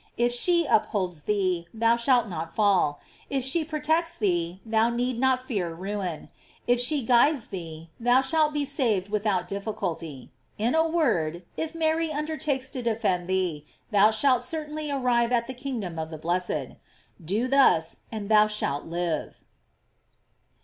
If she upholds thee, thou shalt not fall. If she protects thee, thou need not fear ruin. If she guides thee, thou shalt be saved without difficulty. In a word, if Mary undertakes to defend thee, thou shalt cer tainly arrive at the kingdom of the blessed. Thus do, and thou shalt live.